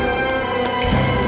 gue mau pergi ke rumah